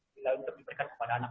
nilai untuk diberikan kepada anak